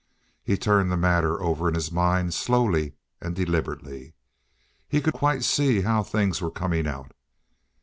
He turned the matter over in his mind slowly and deliberately. He could quite see how things were coming out.